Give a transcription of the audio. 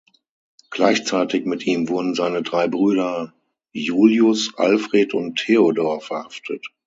Gleichzeitig mit ihm wurden seine drei Brüder Juliusz, Alfred und Teodor verhaftet.